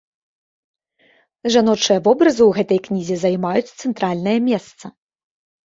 Жаночыя вобразы ў гэтай кнізе займаюць цэнтральнае месца.